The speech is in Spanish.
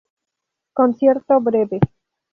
Concierto breve.